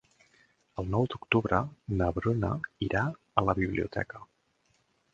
El nou d'octubre na Bruna irà a la biblioteca.